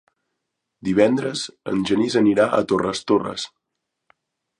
Divendres en Genís anirà a Torres Torres.